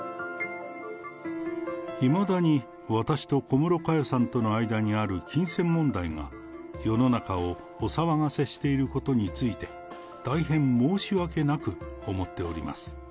いまだに私と小室佳代さんとの間にある金銭問題が世の中をお騒がせしていることについて、大変申し訳なく思っております。